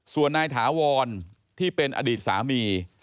ส่วนนายถาวรที่เป็นอดีตสามี